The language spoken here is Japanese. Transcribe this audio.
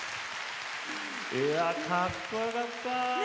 かっこよかった！